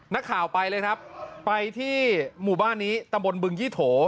นักข่าวไปเลยครับไปที่หมู่บ้านนี้ตำบลบึงยี่โถ